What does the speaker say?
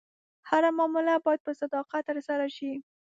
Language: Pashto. هره معامله باید په صداقت ترسره شي.